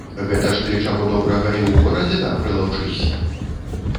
Гэта ж ты, чаго добрага, і ў горадзе так прылаўчышся.